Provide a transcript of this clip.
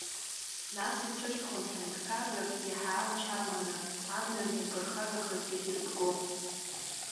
Нас ицәырҵхон ҳәынҭқаррак, иаҳа амч аманы, амҩан иаԥырхагахаз зегь рбго.